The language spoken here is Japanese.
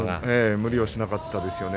無理をしなかったですよね。